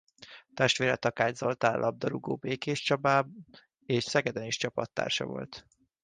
Testvére Takács Zoltán labdarúgó Békéscsabán és Szegeden is csapattársa volt.